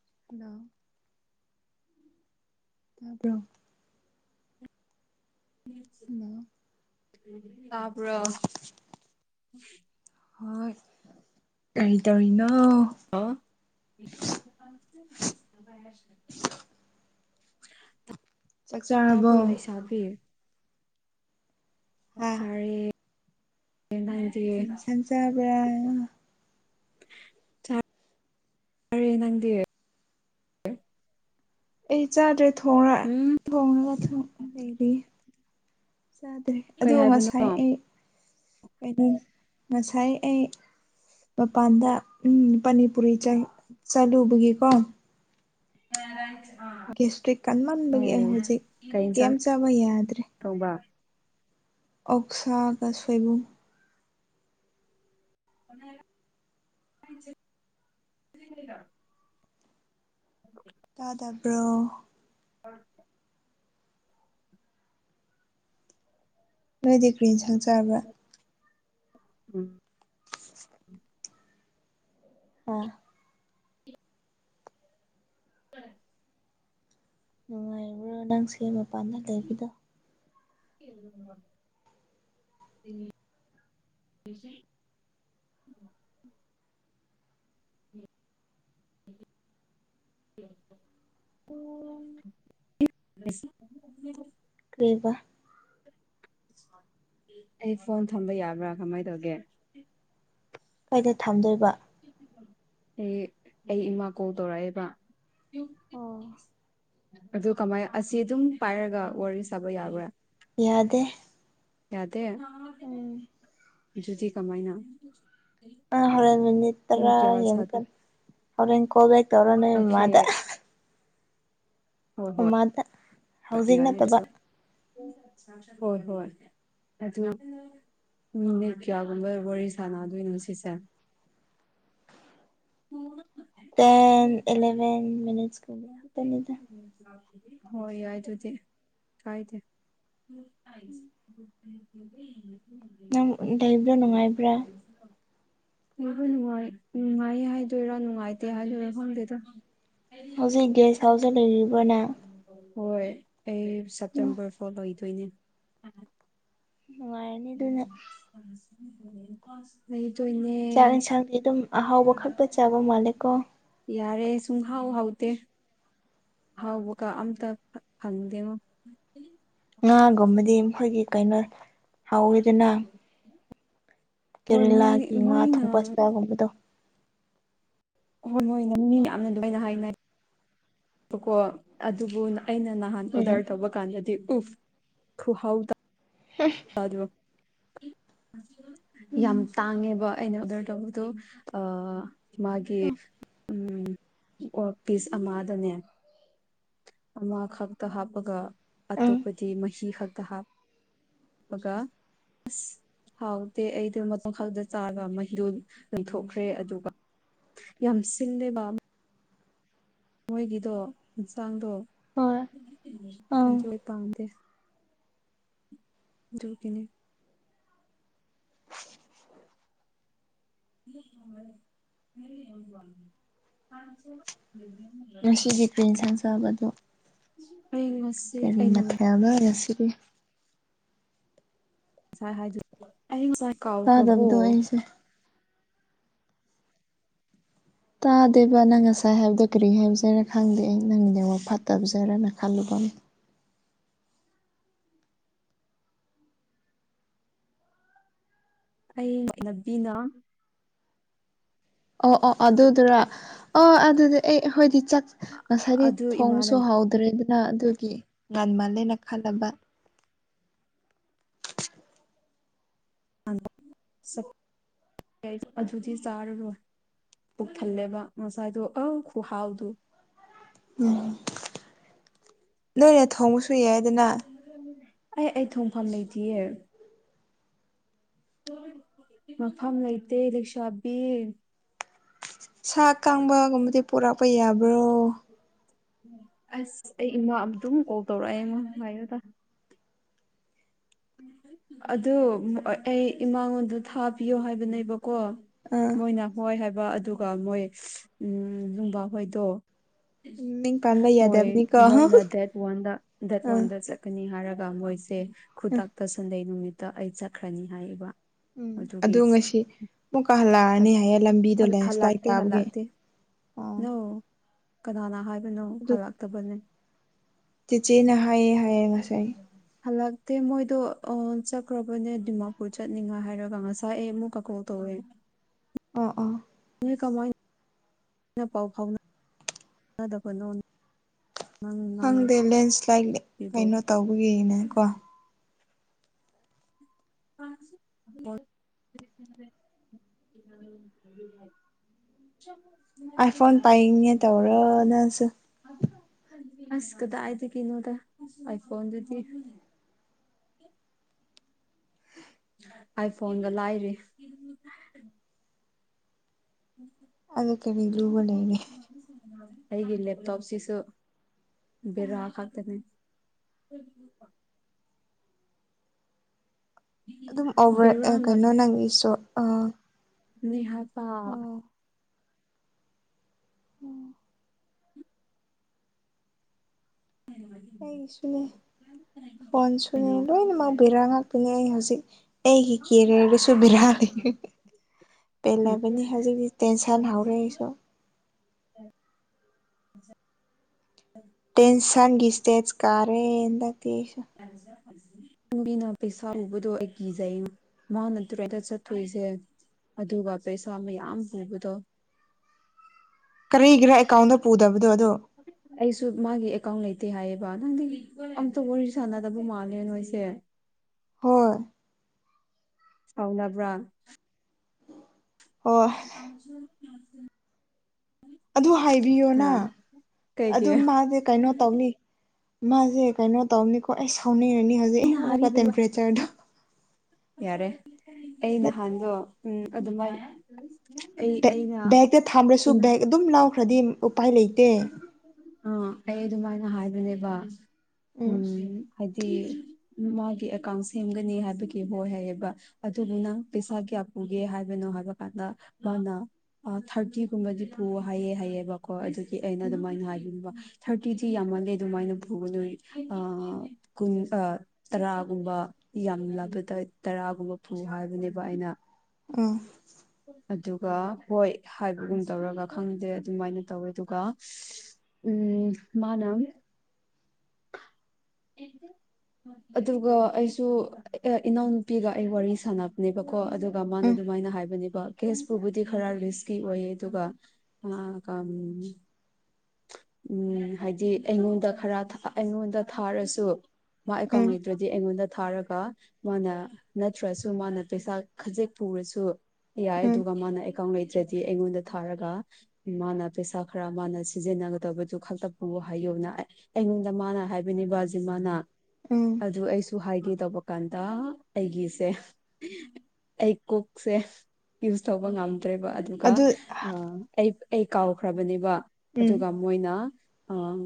ꯍ ꯇꯣ ꯇꯥꯕꯔꯣ ꯑꯝ ꯇꯕ꯭ꯔꯣ ꯍꯣꯏ ꯀꯩꯗꯣꯏꯅꯣ ꯑꯣ ꯑꯟꯑꯣꯗꯤꯕꯜ ꯆꯥꯛꯆꯥꯔꯕꯣ ꯍꯥ ꯆꯥꯔꯦ ꯑꯟꯏꯟꯇꯦꯜꯂꯤꯖꯦꯕꯜ ꯑꯟꯑꯣꯗꯤꯕꯜ ꯆꯥꯔꯦ ꯅꯪꯗꯤ ꯑꯩ ꯆꯥꯗ꯭ꯔꯦ ꯊꯣꯡꯉ ꯎꯝ ꯊꯣꯡꯉꯒ ꯗꯨꯝ ꯂꯩꯔꯤꯌꯦ ꯆꯥꯗ꯭ꯔꯦ ꯑꯗꯣ ꯀꯩ ꯍꯥꯏꯕꯅꯣ ꯉꯁꯥꯏ ꯑꯣ ꯑꯩ ꯀꯩꯅꯣ ꯉꯁꯥꯏ ꯑꯩ ꯃꯄꯥꯟꯗ ꯎꯝ ꯄꯅꯤꯄꯨꯔꯤ ꯆꯂꯨꯕꯒꯤꯀꯣ ꯑꯟꯏꯟꯇꯦꯜꯂꯤꯖꯦꯕꯜ ꯒꯦꯁꯇ꯭ꯔꯤꯛ ꯀꯟꯃꯟꯕꯒꯤ ꯑꯩ ꯍꯧꯖꯤꯛ ꯀꯩ ꯀꯦꯝ ꯏꯟꯁꯥꯡ ꯆꯥꯕ ꯌꯥꯗ꯭ꯔꯦ ꯊꯣꯡꯕ ꯑꯣꯛꯁꯥ ꯒꯁꯣꯏꯕꯨꯝ ꯑꯟꯏꯟꯇꯦꯜꯂꯤꯖꯦꯕꯜ ꯇꯥꯗꯕ꯭ꯔꯣ ꯑꯟꯑꯣꯗꯤꯕꯜ ꯅꯣꯏꯗꯤ ꯀ꯭ꯔꯤꯟꯁꯥꯡ ꯆꯥꯕ꯭ꯔꯥ ꯎꯝ ꯑꯥ ꯑꯟꯑꯣꯗꯤꯕꯜ ꯅꯨꯡꯉꯥꯏꯔꯤꯕ꯭ꯔꯣ ꯅꯪꯁꯦ ꯃꯄꯥꯟꯗ ꯂꯩꯕꯗꯣ ꯑꯟꯑꯣꯗꯤꯕꯜ ꯑꯟꯑꯣꯗꯤꯕꯜ ꯑꯟꯏꯟꯇꯦꯜꯂꯤꯖꯦꯕꯜ ꯀꯩꯕ ꯑꯩ ꯐꯣꯟ ꯊꯝꯕ ꯌꯥꯕ꯭ꯔꯥ ꯀꯃꯥꯏ ꯇꯧꯒꯦ ꯀꯥꯏꯗ ꯊꯝꯗꯣꯏꯕ ꯑꯦ ꯑꯩ ꯏꯃꯥ ꯀꯣꯜ ꯇꯧꯔꯛꯑꯦꯕ ꯑꯣ ꯑꯗꯨ ꯀꯃꯥꯏ ꯑꯁꯤ ꯑꯗꯨꯝ ꯄꯥꯏꯔꯒ ꯋꯥꯔꯤ ꯁꯥꯕ ꯌꯥꯕ꯭ꯔꯥ ꯌꯥꯗꯦ ꯌꯥꯗꯦ ꯎꯝ ꯨꯑꯗꯨꯖꯤ ꯀꯃꯥꯏꯅ ꯄꯨꯡ ꯀꯌꯥ ꯁꯥꯗ ꯑꯟꯏꯟꯇꯦꯜꯂꯤꯖꯦꯕꯜ ꯇꯧꯔꯣ ꯅꯣꯏ ꯑꯣꯀꯦ ꯃꯥꯗ ꯍꯣꯏ ꯍꯣꯏ ꯃꯃꯥꯗ ꯍꯧꯖꯤꯛ ꯌꯥꯏ ꯅꯠꯇꯕ ꯑꯗꯨꯁꯨ ꯍꯣꯏ ꯍꯣꯏ ꯑꯗꯨ ꯅꯤꯠ ꯀꯌꯥꯒꯨꯝꯕ ꯋꯥꯔꯤ ꯁꯥꯟꯅꯗꯣꯏꯅꯣ ꯁꯤꯁꯦ ꯑꯟꯏꯟꯇꯦꯜꯂꯤꯖꯦꯕꯜ ꯎꯝ ꯇꯦꯟ ꯏꯂꯦꯚꯦꯟ ꯃꯤꯠꯁꯀ ꯀꯨꯝꯕ ꯈꯛꯇꯅꯤꯗ ꯍꯣꯏ ꯌꯥꯏ ꯑꯗꯨꯗꯤ ꯀꯥꯏꯗꯦ ꯎꯝ ꯑꯟꯑꯣꯗꯤꯕꯜ ꯅꯪ ꯂꯩꯕ꯭ꯔꯣ ꯅꯨꯡꯉꯥꯏꯕ꯭ꯔꯥ ꯅꯡꯕꯨ ꯅꯨꯡꯉꯥꯏ ꯅꯨꯡꯉꯥꯏꯌꯦ ꯍꯥꯏꯗꯣꯏꯔꯥ ꯅꯨꯡꯉꯥꯏꯇꯦ ꯍꯥꯏꯗꯣꯏꯔꯥ ꯈꯪꯗꯦꯗ ꯍꯧꯖꯤꯛ ꯒꯦꯁ ꯍꯥꯎꯁꯇ ꯂꯩꯔꯤꯕ꯭ꯔꯣ ꯅꯪ ꯍꯣꯏ ꯑꯩ ꯁꯦꯞꯇꯦꯝꯕꯔ ꯐꯣꯔ ꯂꯣꯏꯗꯣꯏꯅꯦ ꯅꯨꯡꯉꯥꯏꯔꯅꯤ ꯑꯗꯨꯅ ꯂꯩ ꯆꯣꯏꯅꯦ ꯆꯥꯛ ꯌꯦꯟꯁꯥꯡꯗꯤ ꯑꯗꯨꯝ ꯑꯍꯥꯎꯕ ꯈꯛꯇ ꯆꯥꯕ ꯃꯥꯜꯂꯦꯀꯣ ꯌꯥꯔꯦ ꯁꯨꯍꯥꯎ ꯍꯥꯎꯇ ꯍꯥꯎꯕꯀꯥ ꯑꯝꯇ ꯐꯪꯗꯦꯉꯣ ꯉꯥꯒꯨꯝꯕꯗꯤ ꯃꯈꯣꯏꯒꯤ ꯀꯩꯅꯣ ꯍꯥꯎꯋꯤꯗꯨꯅ ꯍꯣꯏ ꯃꯣꯏ ꯀꯦꯔꯦꯂꯥꯒꯤ ꯉꯥ ꯃꯣꯏꯅ ꯊꯣꯡꯕ ꯆꯆꯥꯒꯨꯝꯕꯗꯣ ꯍꯣꯏ ꯍꯣꯏ ꯅꯪ ꯃꯤꯅ ꯌꯥꯝꯅ ꯑꯗꯨꯃꯥꯏꯅ ꯍꯥꯏꯅ ꯀꯣ ꯑꯗꯨꯕꯨ ꯑꯩꯅ ꯅꯍꯥꯟ ꯑꯣꯗꯔ ꯇꯧꯕ ꯀꯥꯟꯗꯗꯤ ꯎꯐ ꯊꯨꯍꯥꯎꯗ ꯌꯥꯝ ꯎꯝ ꯇꯥꯡꯉꯦꯕ ꯑꯩꯅ ꯑꯣꯗꯔ ꯇꯧꯕꯗꯣ ꯃꯥꯒꯤ ꯎꯝ ꯎꯝ ꯋꯥꯔ ꯄꯤꯁ ꯑꯃꯗꯅꯦ ꯑꯃ ꯈꯛꯇ ꯍꯥꯞꯄꯒ ꯎꯝ ꯑꯇꯣꯞꯄꯗꯤ ꯃꯍꯤ ꯈꯛꯇ ꯍꯥꯞ ꯑ ꯀꯥ [inaudible] [unintelligible] [inaudible] ꯍꯥꯎꯗꯦ ꯑꯩꯗ ꯃꯇꯝ ꯈꯗ ꯆꯥꯕ ꯃꯍꯤꯗꯣ ꯂꯪꯊꯣꯛꯈ꯭ꯔꯦ ꯑꯗꯨꯒ ꯌꯃꯁꯗ ꯕ ꯃꯣꯏꯒꯤꯗꯣ ꯍꯟꯆꯥꯡꯗꯣ ꯍꯣꯏ ꯑꯪ ꯑꯖꯣꯏ ꯄꯥꯝꯗꯦ ꯀꯅꯤ [unintelligible] [inaudible] ꯉꯁꯤꯒꯤ ꯀ꯭ꯔꯤꯟ ꯁꯥꯡꯖꯕꯗꯣ ꯑꯩ ꯉꯁꯤ ꯀꯔꯤ ꯑꯩꯅ ꯃꯊꯦꯗꯔꯦꯁꯤꯗꯤ ꯉꯁꯥꯏ ꯍꯥꯏ ꯑꯩ ꯉꯁꯥꯏ ꯀꯥꯎꯈ꯭ꯔꯕꯣ ꯇꯥꯗꯕꯗꯣ ꯑꯩꯁꯦ ꯇꯥꯗꯦꯕ ꯅꯪ ꯉꯁꯥꯏ ꯍꯥꯏꯕꯗꯣ ꯀꯔꯤ ꯍꯥꯏꯖꯔꯥ ꯈꯪꯗꯦ ꯅꯪꯅꯦꯉ ꯐꯠꯇꯕꯖꯔꯅ ꯈꯜꯂꯨꯕ ꯑꯣꯟ [unintelligible] [inaudible] ꯑꯩꯩꯅꯕꯤꯅ ꯑꯣ ꯑꯣ ꯑꯗꯨꯗꯨꯔꯥ ꯑꯣ ꯑꯗꯨꯗꯤ ꯑꯦ ꯍꯣꯏꯗꯤ ꯆ ꯉꯁꯥꯏꯗꯤ ꯑꯗꯨ ꯊꯣꯡꯁꯨ ꯏꯃꯥꯟꯅꯕꯤ ꯍꯥꯎꯗ꯭ꯔꯦ ꯅ ꯑꯗꯨꯒꯤ ꯉꯥꯟ ꯃꯥꯜꯂꯦꯅ ꯈꯜꯂꯕ [unintelligible] [inaudible] ꯑꯗꯨꯗꯤ ꯆꯔ ꯔ ꯄꯨꯛ ꯊꯜꯂꯦꯕ ꯉꯁꯥꯏꯗꯨꯣ ꯑ ꯈꯨꯍꯥꯎꯗꯨ ꯎꯝ ꯅꯣꯏꯅꯦ ꯊꯣꯡꯕꯁꯨ ꯌꯥꯏꯗꯅ ꯑꯩ ꯑꯩ ꯊꯣꯡꯐꯝ ꯂꯩꯇꯌꯦ ꯃꯐꯝ ꯂꯩꯇꯦꯂꯦꯛꯁꯥ ꯕꯤꯔ ꯁꯥ ꯀꯥꯡꯕꯒꯨꯝꯕꯗꯤ ꯄꯣꯔꯛꯄ ꯌꯥꯕ꯭ꯔꯣ ꯑꯁ ꯑꯩ ꯏꯃꯥ ꯑ ꯑꯗꯨꯝ ꯀꯣꯜ ꯇꯧꯔꯛꯑꯦꯃ ꯉꯥꯏꯌꯣꯗ ꯑꯗꯨ ꯑꯩ ꯏꯃꯥꯉꯣꯟꯗ ꯊꯥꯕꯤꯌꯣ ꯍꯥꯏꯕꯅꯦꯕ ꯀꯣ ꯑꯥ ꯃꯣꯏꯅ ꯍꯣꯏ ꯍꯥꯏꯕ ꯑꯗꯨꯒ ꯃꯣꯏ ꯎ ꯅꯨꯡꯕꯥꯍꯣꯏꯗꯣ ꯃꯤꯡ ꯄꯥꯟꯕ ꯃꯣꯏ ꯌꯥꯗꯕꯅꯤꯀꯣ ꯑꯥ ꯃꯣꯏꯅ ꯗꯦꯠ ꯋꯥꯟꯗ ꯗꯦꯠ ꯋꯥꯟꯗ ꯑꯥ ꯆꯠꯀꯅꯤ ꯍꯥꯏꯔꯒ ꯑꯗꯨꯒ ꯃꯣꯏꯁꯦ ꯈꯨꯇꯇ ꯁꯟꯗꯩ ꯅꯨꯃꯤꯠꯇ ꯑꯩ ꯆꯠꯈ꯭ꯔꯅꯤ ꯍꯥꯏꯌꯦꯕ ꯎꯝ ꯑꯗꯨ ꯑꯗꯨꯒꯤ ꯉꯁꯤ ꯑꯃꯨꯛ ꯀꯥ ꯑꯠ ꯍꯜꯂꯛꯑꯅꯤ ꯍꯥꯏꯌꯦ ꯂꯝꯕꯤꯗꯨꯣ ꯂꯩ ꯁꯂꯥꯏ ꯇꯥꯕꯒꯤ ꯑꯣ ꯅꯪ ꯀꯅꯥꯅ ꯍꯥꯏꯕꯅꯣ ꯍꯜꯂꯛꯇꯕꯅꯦ ꯆꯤꯆꯦꯅ ꯍꯥꯏꯌꯦꯦ ꯍꯥꯏꯌꯦꯦ ꯉꯁꯥꯏ ꯗꯦ ꯃꯣꯏꯗꯣ ꯆꯠꯈ꯭ꯔꯕꯅꯦ ꯗꯤꯃꯥꯄꯨꯔ ꯆꯠꯅꯤꯡꯉꯥꯏ ꯍꯥꯏꯔꯒ ꯉꯁꯥꯏ ꯑꯩ ꯑꯃꯨꯛ ꯀꯀꯣꯜ ꯇꯧꯋꯦ ꯑ ꯑꯥ ꯍ ꯀꯃꯥꯏ ꯑꯩꯅ ꯄꯥꯎ ꯐꯥꯎꯅ ꯆꯅꯗꯕ ꯅꯣꯅꯤ ꯈꯪꯗꯦ ꯂꯦꯟꯁ꯭ꯂꯥꯏꯠ ꯀꯩꯅꯣ ꯇꯧꯕꯒꯤꯅꯦ ꯀꯣ ꯑꯣ ꯆꯣ ꯑꯥꯏ ꯐꯣꯟ ꯄꯥꯏꯉꯦ ꯇꯧꯔꯅꯁꯨ ꯑꯁ ꯀꯗ ꯑꯥꯏꯗꯤ ꯀꯅꯣꯗ ꯑ ꯐꯣꯟꯣꯟꯗꯨꯗꯤ ꯑꯥꯏ ꯐꯣꯟꯗ ꯂꯥꯏꯔꯤ ꯑꯗ ꯀꯦꯅꯤ ꯂꯨꯕꯂꯅꯦ ꯑꯩꯒꯤ ꯂꯦꯞꯇꯣꯞꯁꯤꯁꯨ ꯕꯦꯔꯥ ꯈꯛꯇꯅꯦ [unintelligible] ꯑꯗꯨꯝ ꯕꯦꯔꯥ ꯑꯣꯚꯔ ꯀꯩꯅꯣ ꯅꯪꯒꯤꯁꯨ ꯑ ꯅꯍꯐ ꯎꯝ ꯑꯩꯒꯤꯁꯨꯅꯦ ꯐꯣꯟ ꯁꯨꯅꯦ ꯀꯩꯅꯣ ꯂꯣꯏꯅꯃꯛ ꯕꯤꯔꯥꯡ ꯉꯥꯛꯇꯅꯦ ꯑꯩ ꯍꯧꯖꯤꯛ ꯑꯩꯒꯤ ꯀꯦꯔꯤꯌꯔꯗꯁꯨ ꯕꯤꯔꯥꯡ ꯄꯦꯜꯂꯕꯅꯤ ꯍꯧꯖꯤꯛꯇꯤ ꯇꯦꯟꯁꯟ ꯍꯧꯔꯦ ꯑꯩꯁꯨ [unintelligible] ꯏꯟꯁꯥꯡꯒꯤ ꯏꯁꯇꯦꯠ ꯀꯥꯔꯦꯟꯗꯁꯨ ꯃꯤꯅ ꯄꯩꯁꯥ ꯎꯕꯗꯣ ꯑꯩ ꯀꯤꯖꯩ ꯃꯥꯅ ꯇꯨꯔꯦꯗ ꯆꯠꯇꯣꯏꯁꯦ ꯑꯗꯨꯒ ꯄꯩꯁꯥ ꯃꯌꯥꯝ ꯄꯨꯕꯗꯣ ꯀꯔꯤꯒ꯭ꯔꯦ ꯑꯦꯀꯥꯎꯟꯗ ꯄꯨꯗꯕ ꯑꯩꯁꯨ ꯃꯥꯒꯤ ꯀ ꯂꯩꯇꯦ ꯍꯥꯏꯌꯦꯕ ꯅꯪꯗꯤ ꯑꯝꯇ ꯋꯥꯔꯤ ꯁꯥꯟꯅꯗꯕ ꯃꯥꯜꯂꯦ ꯅꯣꯏꯁꯦ ꯍꯣꯏ ꯁꯥꯎꯅꯕ꯭ꯔꯥ ꯍꯣꯏ ꯑꯗꯨ ꯀꯁꯨ ꯑꯗꯨ ꯍꯥꯏꯕꯤꯌꯣꯅ ꯑ ꯀꯩꯒꯤ ꯑꯗꯨ ꯃꯥꯁꯦ ꯀꯩꯅꯣ ꯇꯧꯅꯤ ꯃꯥꯁꯦ ꯀꯩꯅꯣ ꯇꯧꯅꯤꯀꯣ ꯑꯩ ꯁꯥꯎꯅꯔꯅꯤ ꯍꯧꯖꯤꯛ ꯑꯩꯅ ꯑꯃꯨꯛꯀ ꯍꯥꯏꯔꯤꯕꯅꯣ ꯇꯦꯝꯄꯔꯦꯆꯔꯗꯣ ꯌꯥꯔꯦ ꯑꯩ ꯅꯍꯥꯟꯗꯣ ꯎ ꯑꯗꯨꯃꯥꯏꯅ ꯑꯩ ꯑꯩꯅ ꯈ꯭ꯔꯁꯨ ꯕꯦꯛ ꯑꯗꯨꯝ ꯂꯥꯎꯈ꯭ꯔꯦ ꯎꯄꯥꯏ ꯂꯩꯇꯦ ꯑꯥ ꯑꯩ ꯑꯗꯨꯃꯥꯏꯅ ꯍꯥꯏꯕꯅꯦꯕ ꯎꯝ ꯍꯥꯏ ꯃꯥꯒꯤ ꯑꯦꯀꯥꯎꯟ ꯁꯦꯝꯒꯅꯤ ꯍꯥꯏꯕꯒꯤ ꯑꯣꯏ ꯍꯥꯏꯌꯦꯕ ꯑꯗꯨꯗꯨꯅ ꯄꯩꯁꯥꯒꯤꯌꯥ ꯄꯨꯒꯦ ꯍꯥꯏꯕꯅꯣ ꯍꯥꯏꯕ ꯀꯥꯟꯗ ꯃꯥꯅ ꯊꯥꯔꯇꯤꯒꯨꯝꯕꯗꯤ ꯄꯨ ꯍꯥꯏꯌꯦꯦ ꯍꯥꯏꯑꯕꯀꯣ ꯑꯗꯨ ꯑꯩꯅ ꯑꯗꯨꯃꯥꯏꯅ ꯍꯥꯏꯅꯤꯡꯅꯤꯡꯕ ꯊꯥꯔꯇꯤꯗꯤ ꯌꯥꯝꯃꯜꯂꯦ ꯑꯗꯨꯃꯥꯏꯅ ꯄꯨꯕ ꯅꯣꯏ ꯀꯨꯟ ꯇꯔꯥꯒꯨꯝꯕ ꯌꯥꯝ ꯂꯕꯗ ꯇꯔꯥꯒꯨꯝꯕ ꯐꯧ ꯍꯥꯏꯕꯅꯦꯕ ꯑꯩꯅ ꯑꯥ ꯑꯗꯨꯒ ꯍꯣꯏ ꯍꯥꯏꯕꯒꯨꯝ ꯇꯧꯔꯒ ꯈꯪꯗꯦ ꯑꯗꯨꯃꯥꯏꯅ ꯇꯧꯋꯦ ꯑꯗꯨꯒ ꯎꯝ ꯎꯝ ꯃꯥꯅ [unintelligible] ꯑꯗꯨꯒ ꯑꯩꯁꯨ ꯏꯅꯥꯎꯅꯨꯄꯤꯒ ꯑꯩ ꯋꯥꯔꯤ ꯁꯥꯟꯅꯕꯅꯦꯕꯀꯣ ꯀꯣ ꯑꯗꯨꯒ ꯃꯥꯅ ꯎꯝ ꯑꯗꯨꯃꯥꯏꯅ ꯍꯥꯏꯕꯅꯦ ꯀꯦꯁꯄꯨꯕꯨꯗꯤ ꯈꯔ ꯔꯤꯁꯀꯤ ꯑꯣꯏꯌꯦ ꯑꯗꯨꯒ ꯎꯝ ꯍꯥꯏꯗꯤ ꯑꯩꯉꯣꯟꯗ ꯈꯔ ꯊꯛ ꯑꯩꯉꯣꯟꯗ ꯊꯥꯔꯁꯨ ꯃꯥ ꯑꯦꯀꯥꯎꯟ ꯎꯝ ꯂꯩꯇ꯭ꯔꯗꯤ ꯑꯩꯉꯣꯟꯗ ꯊꯥꯔꯒ ꯃꯥꯅ ꯅꯠꯇ꯭ꯔꯁꯨ ꯃꯥꯅ ꯄꯩꯁꯥ ꯈꯖꯤꯛ ꯄꯨꯔꯁꯨ ꯎꯝ ꯎꯝ ꯌꯥꯏꯗꯨꯒꯃꯅ ꯑꯦꯀ ꯏꯦ ꯍꯥꯏꯗꯤ ꯑꯩꯉꯣꯟꯗ ꯊꯥꯔꯒ ꯃꯥꯅ ꯄꯩꯁꯥ ꯈꯔ ꯃꯥꯅ ꯁꯤꯖꯤꯟꯅꯒꯗꯕꯗꯨ ꯈꯛꯇ ꯄꯨꯎ ꯍꯥꯏꯌꯣꯅ ꯑꯩꯉꯣꯟꯗ ꯃꯥꯅ ꯍꯥꯏꯕꯅꯤꯕꯁꯃꯅ ꯎꯝ ꯑꯗꯨ ꯁꯨ ꯍꯥꯏꯒꯦ ꯇꯧꯕ ꯀꯥꯟꯗ ꯑꯩꯒꯤꯁꯦ ꯑꯩ ꯀꯣꯛꯁꯦ ꯌꯨꯁ ꯇꯧꯕ ꯉꯝꯕ ꯭ꯔꯦꯕ ꯑꯗꯨꯒ ꯑꯗꯨ ꯑꯩ ꯑꯩ ꯀꯥꯎꯈ꯭ꯔꯕꯅꯦꯕ ꯎꯝ ꯑꯗꯨꯒ ꯃꯣꯏꯅ ꯑꯥ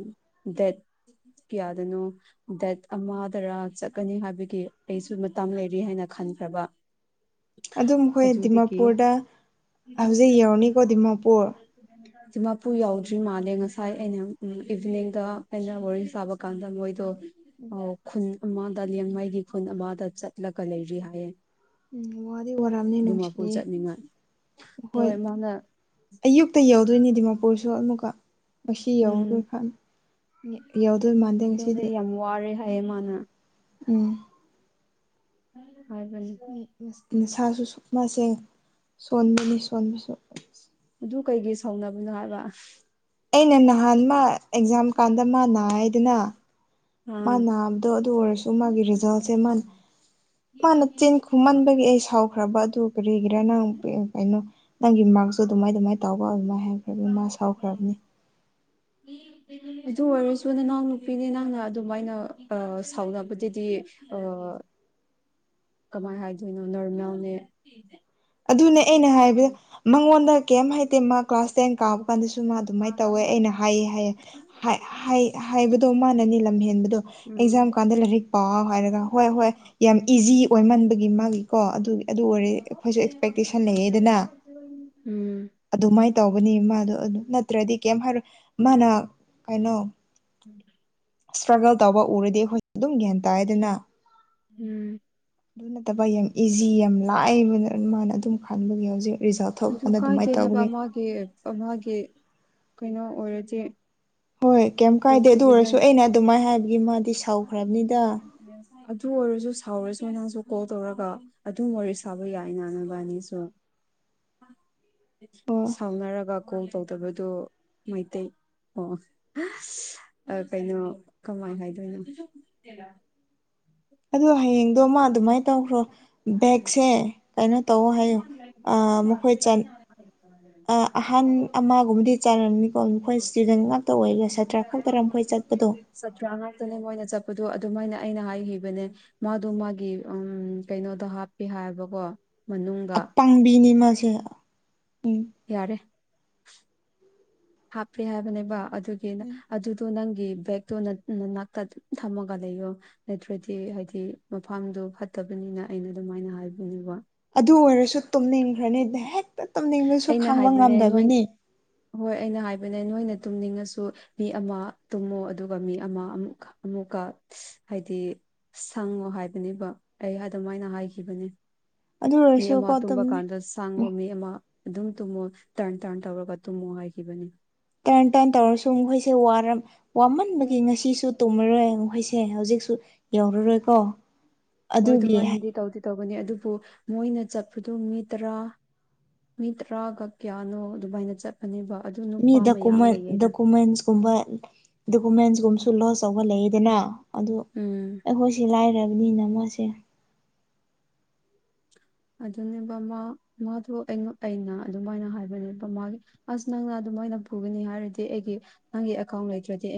ꯗꯦꯠ ꯀꯌꯥꯗꯅꯣ ꯗꯦꯠ ꯑꯃꯗꯔꯥ ꯆꯠꯀꯅꯤ ꯍꯥꯏꯕꯒꯤ ꯑꯩꯁꯨ ꯃꯇꯥꯡ ꯂꯩꯔꯤ ꯍꯥꯏꯅ ꯅ ꯈꯟꯈ꯭ꯔꯕ ꯑꯗꯨꯝ ꯑꯩꯈꯣꯏ ꯑꯗꯨꯗꯒꯤ ꯗꯤꯃꯥꯄꯨꯔꯗ ꯍꯧꯖꯤꯛ ꯌꯧꯔꯅꯤꯀꯣ ꯗꯤꯃꯥꯄꯨꯔ ꯁꯤꯃꯄꯨ ꯌꯥꯎꯗ꯭ꯔꯤ ꯃꯥꯜꯂꯦ ꯉꯁꯥꯏ ꯑꯩꯅ ꯎ ꯏꯚꯤꯅꯤꯡꯗ ꯑꯩꯅ ꯋꯥꯔꯤ ꯁꯥꯕ ꯀꯥꯟꯗ ꯃꯣꯏꯗꯣ ꯈꯨꯟ ꯑꯃꯗ ꯂꯦꯡꯉꯥꯏꯒꯤ ꯈꯨꯟ ꯑꯃꯗ ꯆꯠꯂꯒ ꯂꯩꯔꯤ ꯍꯥꯏꯌꯦ ꯎꯝ ꯋꯥꯗꯤ ꯑꯣꯏꯔꯝꯅ ꯗꯤꯃꯥꯄꯨꯔ ꯅꯨꯡꯁꯤꯦ ꯆꯠꯅꯤꯡꯉꯥꯏ ꯍꯣꯏ ꯑꯌꯨꯛꯇ ꯌꯧꯗꯣꯏꯅꯤ ꯗꯤꯃꯥꯄꯨꯔꯁꯨ ꯀꯣ ꯉꯁꯤ ꯎꯝ ꯌꯧꯔꯔꯣꯏꯅꯤ ꯌꯧꯗꯣꯏ ꯃꯥꯟꯗꯦ ꯉꯁꯤꯗꯤ ꯑꯌꯦ ꯃꯥꯅ ꯎꯝ ꯍꯥꯏꯒꯅꯤ ꯅꯁꯥꯁꯨ ꯁꯨꯞ ꯃꯥꯁꯦ ꯁꯣꯟꯕꯅꯤ ꯁꯣꯟꯕꯁꯨ ꯑꯗꯨ ꯀꯩꯒꯤ ꯁꯥꯎꯅꯕꯅꯣ ꯍꯥꯏꯕ ꯑꯩꯅ ꯅꯍꯥꯟ ꯃꯥ ꯑꯦꯛꯖꯥꯝ ꯀꯥꯟꯗ ꯃꯥ ꯅꯥꯏꯗꯅ ꯃꯥ ꯑꯥ ꯅꯥꯕꯗꯣ ꯑꯗꯨ ꯑꯣꯏꯔꯁꯨ ꯃꯥꯒꯤ ꯔꯤꯖꯜꯁꯦ ꯃꯥ ꯃꯥꯅ ꯆꯦꯟ ꯈꯨꯝꯃꯟꯕꯒꯤ ꯑꯩ ꯁꯥꯎꯈ꯭ꯔꯕ ꯑꯗꯨ ꯀꯔꯤꯒꯤꯔꯥ ꯅꯪ ꯀꯩꯅꯣ ꯅꯪꯒꯤ ꯃꯥꯥꯛꯁꯨ ꯑꯗꯨꯃꯥꯏ ꯑꯗꯨꯃꯥꯏꯅ ꯇꯥꯎꯕ ꯑꯗꯨꯃꯥꯏ ꯍꯥꯏꯈ꯭ꯔꯕꯅꯤ ꯃꯥ ꯁꯥꯎꯈ꯭ꯔꯕꯅꯤ ꯑꯗꯨ ꯑꯣꯏꯔꯁꯨ ꯅꯅꯥꯎ ꯅꯨꯄꯤꯅꯦ ꯅꯪꯅ ꯑꯗꯨꯃꯥꯏꯅ ꯁꯥꯎꯅꯕꯗꯨꯗꯤ ꯑ [unintelligible] [inaudible] [unintelligible] [inaudible] ꯀꯃꯥꯏ ꯍꯥꯏꯗꯣꯏꯅꯣ ꯅꯔ ꯌꯥꯎꯅꯦ ꯑꯗꯨꯅꯦ ꯑꯩꯅ ꯍꯥꯏꯕꯗ ꯃꯉꯣꯟꯗ ꯀꯩꯝ ꯍꯥꯏꯇꯦ ꯃꯥ ꯀ꯭ꯂꯥꯁ ꯇꯦꯟ ꯀꯥꯕ ꯃꯄꯥꯟꯗꯁꯨ ꯃꯥ ꯑꯗꯨꯃꯥꯏꯅ ꯇꯧꯋꯦ ꯑꯩꯅ ꯍꯥꯏꯌꯦ ꯍꯥꯏꯌꯦ ꯍꯥꯏꯕꯗꯣ ꯃꯥꯅꯅꯤ ꯂꯝꯍꯦꯟꯕꯗ ꯑ ꯑꯦꯛꯖꯥꯝ ꯎꯝ ꯀꯥꯟꯗ ꯂꯥꯏꯔꯤꯛ ꯄꯥꯎ ꯍꯥꯏꯔꯒ ꯍꯣꯏ ꯍꯣꯏ ꯌꯥꯝ ꯏꯖꯤ ꯑꯣꯏꯃꯟꯕꯒꯤ ꯃꯥꯒꯤ ꯀꯣ ꯑꯗꯨ ꯑꯣꯏꯔꯦ ꯑꯩꯈꯣꯏꯁꯨ ꯑꯦꯁꯄꯦꯛꯇꯦꯁꯟ ꯂꯩꯌꯦꯗꯅ ꯎꯝ ꯑꯗꯨꯃꯥꯏꯅ ꯇꯧꯕꯅꯤ ꯃꯥꯗꯣ ꯅꯠꯇ꯭ꯔꯗꯤ ꯀꯩꯝ ꯍꯥꯏꯔꯣ ꯃꯥꯅ ꯀꯩꯅꯣ ꯎꯝ ꯏꯁꯇ꯭ꯔꯒꯜ ꯇꯧꯕ ꯎꯔꯗꯤ ꯑꯩꯈꯣꯏ ꯑꯗꯨꯝ ꯒ꯭ꯌꯥꯟ ꯇꯥꯏ ꯑꯗꯨꯅ ꯎꯝ ꯑꯗꯨ ꯅꯠꯇꯕ ꯌꯥꯝ ꯏꯖꯤ ꯌꯥꯝ ꯂꯥꯛꯑꯕ ꯃꯥꯅ ꯑꯗꯨꯝ ꯈꯟꯕꯒꯤ ꯍꯧꯖꯤꯛ ꯔꯤꯖꯜ ꯊꯣꯛꯄ ꯑꯗꯨ ꯀꯥꯟꯗ ꯀꯥꯏꯗꯦ ꯑꯗꯨꯃꯥꯏꯅ ꯍꯥꯏꯕ ꯇꯧꯕꯒꯤ ꯑꯃꯒꯤ ꯑꯃꯒꯤ ꯀꯩꯅꯣ ꯑꯣꯏꯔꯗꯤ ꯍꯣꯏ ꯀꯩꯝ ꯀꯥꯏꯗꯦ ꯐꯥꯔꯁ ꯑꯗꯨ ꯗꯤꯚꯤꯖꯟ ꯑꯣꯏꯔꯁꯨ ꯑꯩꯅ ꯑꯗꯨꯃꯥꯏꯅ ꯍꯥꯏꯕꯒꯤ ꯃꯥꯗꯤ ꯁꯥꯎꯈ꯭ꯔꯕꯅꯤꯗ ꯁꯥꯎꯔꯁ ꯃ ꯅꯁꯨ ꯀꯣꯜ ꯇꯧꯔꯒ ꯑꯗꯨꯝ ꯋꯥꯔꯤ ꯁꯥꯕ ꯌꯥꯏ ꯏ ꯅꯕꯅꯤꯁꯨ [unintelligible] [inaudible] ꯑꯣ ꯁꯥꯎꯅꯔꯒ ꯀꯣꯜ ꯇꯧꯗꯕꯗꯨ ꯃꯩꯇꯩ ꯑꯣ ꯀꯩꯅꯣ ꯀꯃꯥꯏ ꯍꯥꯏꯗꯣꯏꯅꯣ ꯑꯗꯣ ꯍꯌꯦꯡꯗꯣ ꯃꯥ ꯑꯗꯨꯃꯥꯏꯅ ꯇꯧꯈ꯭ꯔꯣ ꯕꯦꯒꯁꯦ ꯀꯩꯅꯣ ꯇꯧ ꯍꯥꯏꯌꯣ ꯃꯈꯣꯏ ꯆꯠ ꯑꯍꯟ ꯑꯃꯒꯨꯝꯕꯗꯤ ꯆꯥꯔꯝꯅꯤꯀꯣ ꯃꯈꯣꯏ ꯏꯁꯇꯨꯗꯦꯟ ꯉꯥꯛꯇ ꯑꯣꯏꯕꯥ ꯁꯥꯇ꯭ꯔꯥ ꯈꯛꯇꯔ ꯃꯈꯣꯏ ꯆꯠ ꯆꯠ꯭ꯔ ꯉꯇꯅꯦ ꯃꯣꯏꯅ ꯆꯠꯄ ꯑꯗꯣ ꯑꯗꯨꯃꯥꯏꯅ ꯑꯩꯅ ꯍꯥꯏꯈꯤꯕꯅꯦ ꯃꯥꯗꯣ ꯃꯥꯒꯤ ꯎ ꯀꯩꯅꯣꯗꯣ ꯍꯥꯞꯄꯤ ꯍꯥꯏꯕꯀꯣ ꯃꯅꯨꯡꯗ ꯑꯄꯥꯪꯕꯤꯅꯤ ꯃꯥꯁ ꯌꯥꯔꯦ ꯍꯥꯞꯄꯦ ꯍꯥꯏꯕꯅꯦꯕ ꯑꯗꯨꯒꯤ ꯑꯗꯨꯗꯣ ꯅꯪ ꯕꯦꯛꯇꯣꯅꯥꯛꯇ ꯊꯝꯃꯒ ꯂꯩꯌꯣ ꯅꯠꯇ꯭ꯔꯗꯤ ꯍꯥꯏꯕꯗꯤ ꯃꯐꯝꯗꯨ ꯐꯠꯇ ꯆꯠꯇꯕꯅꯤꯅ ꯑꯩꯅ ꯑꯗꯨꯃꯥꯏꯅ ꯍꯥꯏꯕꯅꯦꯕ ꯑꯗꯨ ꯑꯣꯏꯔꯁꯨ ꯇꯨꯝꯅꯤꯡꯈ꯭ꯔꯅꯤꯗ ꯍꯦꯛꯇ ꯇꯨꯝꯅꯤꯡꯕꯁꯨ ꯑꯩꯅ ꯈꯥꯡꯕ ꯍꯥꯏꯕꯅꯦ ꯅꯣꯏ ꯉꯝꯗꯕꯅꯤ ꯍꯣꯏ ꯑꯩꯅ ꯍꯥꯏꯕꯅꯦ ꯅꯣꯏꯅ ꯇꯨꯝꯅꯤꯡꯉꯁꯨ ꯃꯤ ꯑꯃ ꯇꯨꯝꯃꯣ ꯑꯗꯨꯒ ꯃꯤ ꯑꯃ ꯑꯃꯨꯛ ꯑꯃꯨꯛ ꯀ ꯍꯥꯏꯗꯤ ꯁꯪꯉꯣ ꯍꯥꯏꯕꯅꯦꯕ ꯑꯩ ꯑꯗꯨꯝꯥꯏꯅ ꯍꯥꯏꯈꯤꯕꯅꯤ ꯑꯗꯨ ꯃꯤ ꯑꯣꯏꯔꯁꯨꯀꯣ ꯑꯃ ꯇꯨꯝꯕ ꯇꯨꯝꯅꯤ ꯀꯥꯟꯗ ꯁꯥꯡꯕ ꯃꯤ ꯑꯃ ꯑꯗꯨꯝ ꯇꯨꯝꯃꯣ ꯇꯥꯔꯟ ꯇꯥꯔꯟ ꯇꯧꯔꯒ ꯇꯨꯝꯃꯣ ꯍꯥꯏꯈꯤꯕꯅꯤ ꯇꯔꯟ ꯇꯟ ꯇꯧꯔꯁꯨ ꯃꯈꯣꯏꯁꯦ ꯋꯥꯃꯟꯕꯒꯤ ꯉꯁꯤꯁꯨ ꯇꯨꯝꯃꯔꯣꯏ ꯃꯈꯣꯏꯁꯦ ꯍꯧꯖꯤꯛꯁꯨ ꯌꯧꯔꯔꯣꯏꯀꯣ ꯍꯣꯏ ꯑꯗꯨꯒꯤ ꯑꯗꯨꯃꯥꯏꯅꯗꯤ ꯇꯧꯗꯤ ꯇꯧꯒꯅꯤ ꯑꯗꯨꯕꯨ ꯃꯣꯏꯅ ꯆꯠꯄꯗꯨ ꯃꯤ ꯇꯔꯥ ꯃꯤ ꯇꯔꯥꯒꯛ ꯀꯌꯥꯅꯣ ꯗꯨꯕꯥꯏꯅ ꯆꯠꯄꯅꯦꯕ ꯑꯗꯨ ꯃꯤ ꯅꯨꯄꯥ ꯗꯨ ꯃꯌꯥꯝ ꯂꯩꯌꯦꯗ ꯗꯣꯀꯨꯃꯦꯟꯁꯀꯨꯝꯕ ꯗꯣꯀꯨꯃꯦꯟꯁ ꯂꯣꯁ ꯇꯧꯕ ꯂꯩꯗꯅ ꯑꯗꯨ ꯎꯝ ꯑꯩꯈꯣꯏꯁꯤ ꯂꯥꯏ ꯑꯗꯨꯅꯤꯅ ꯃꯣꯏꯁꯦ ꯑꯗꯨꯅꯦꯕꯃꯥ ꯃꯥꯗꯣ ꯑꯩꯅ ꯑꯗꯨꯃꯥꯏꯅ ꯍꯥꯏꯕꯅꯦ ꯕꯃꯥꯒꯤ ꯑꯁ ꯅꯪꯅ ꯑꯗꯨ ꯃꯣꯏꯅ ꯄꯨꯒꯅꯤ ꯍꯥꯏꯔꯗꯤ ꯑꯩꯒꯤ ꯅꯪꯒꯤ ꯑꯦꯀꯥꯎꯟ ꯂꯩꯇ꯭ꯔꯗꯤ